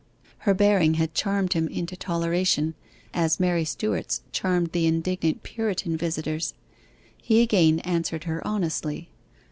Her bearing had charmed him into toleration, as Mary Stuart's charmed the indignant Puritan visitors. He again answered her honestly.